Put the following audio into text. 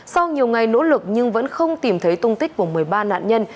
sau nhiều ngày nỗ lực nhưng vẫn không tìm thấy tung tích của một mươi ba nạn nhân